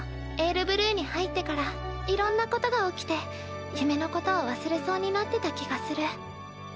でも「ＡｉＲＢＬＵＥ」に入ってからいろんなことが起きて夢のことを忘れそうになってた気がする。